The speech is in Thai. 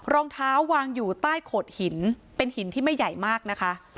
รองเท้าวางอยู่ใต้โขดหินเป็นหินที่ไม่ใหญ่มากนะคะ